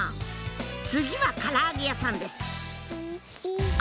次はから揚げ屋さんですあ！